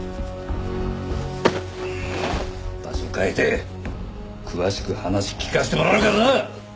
場所変えて詳しく話聞かせてもらうからな！